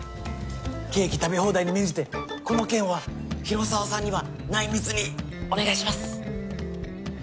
ケーキ食べ放題に免じてこの件は広沢さんには内密にお願いします。